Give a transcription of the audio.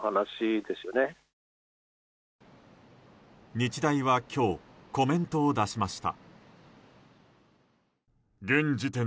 日大は今日コメントを出しました。